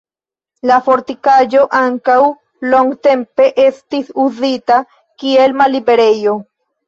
La fortikaĵo ankaŭ longtempe estis uzita kiel malliberejo.